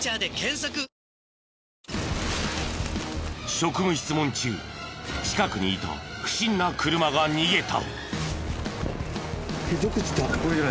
職務質問中近くにいた不審な車が逃げた。